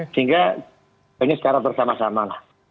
sehingga hanya secara bersama sama lah